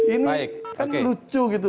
ini kan lucu gitu